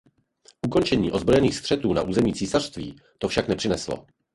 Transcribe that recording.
Ukončení ozbrojených střetů na území císařství to však nepřineslo.